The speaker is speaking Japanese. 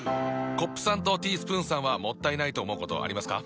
コップさんとティースプーンさんはもったいないと思うことありますか？